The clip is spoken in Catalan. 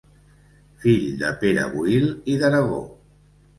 Fill de Pere Boïl i d’Aragó.